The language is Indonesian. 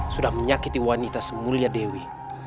sudah menyakiti wanita semulia dewi